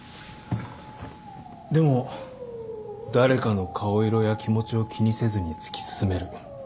でも誰かの顔色や気持ちを気にせずに突き進める。